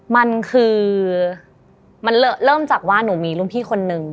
มันคือมันเริ่มจากว่าหนูมีรุ่นพี่คนนึง